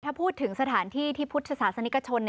ถ้าพูดถึงสถานที่ที่พุทธศาสนิกชน